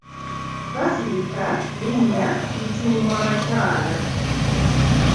Basirika linnya lituumwa bakyala.